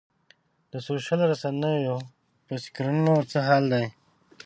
دا سوشل رسنیو په سکرینونو څه حال دی.